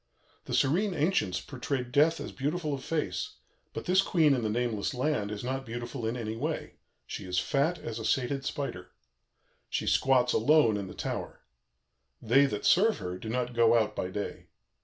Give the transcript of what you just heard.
The serene ancients portrayed Death as beautiful of face; but this Queen in the nameless land is not beautiful in any way; she is fat as a sated spider. She squats alone in the tower. They that serve her do not go out by day.